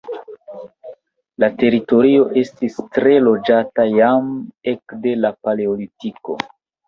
La teritorio estis tre loĝata jam ekde la Paleolitiko.